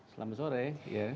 selamat sore ya